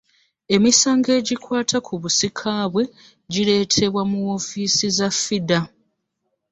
Emisango egikwata ku busika bwe, gireetebwa mu woofiisi za FIDA.